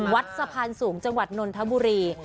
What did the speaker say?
วัดสะพานสูงจังหวัดนนทบุรี